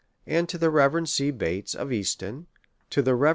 and to the Rev C. Bates, of Easton ; to the Rev. W.